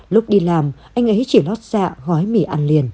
lúc đi làm anh ấy chỉ lót dạ gói mì ăn liền